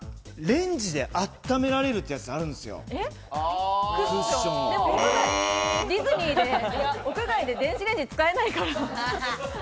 レンジで温められるってやつディズニーで屋外で電子レンジ、使えないから。